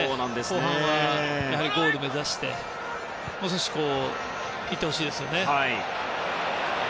後半はゴールを目指してもう少し行ってほしいですね。